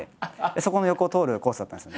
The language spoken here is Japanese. そこの横を通るコースだったんです。